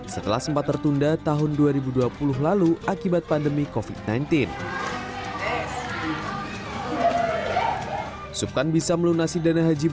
setelah sempat tertunda tahun dua ribu dua puluh lalu akibat pandemi kofit sembilan belas